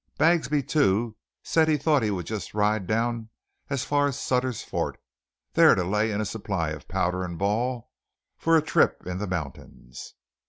Bagsby, too, said he thought he would just ride down as far as Sutter's Fort, there to lay in a supply of powder and ball for a trip in the mountains.